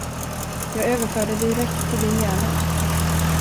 Jag överför det direkt till din hjärna.